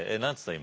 今。